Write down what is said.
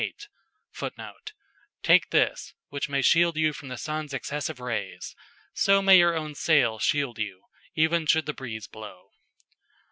[Footnote: "Take this, which may shield you from the sun's excessive rays. So may your own sail shield you, even should the breeze blow."